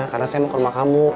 karena saya mau ke rumah kamu